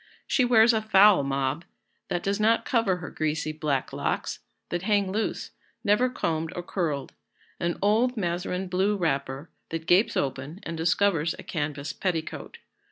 She wears a foul mob, that does not cover her greasy black locks, that hang loose, never combed or curled; an old mazarine blue wrapper, that gapes open and discovers a canvas petticoat.